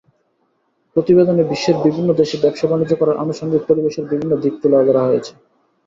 প্রতিবেদনে বিশ্বের বিভিন্ন দেশে ব্যবসা-বাণিজ্য করার আনুষঙ্গিক পরিবেশের বিভিন্ন দিক তুলে ধরা হয়েছে।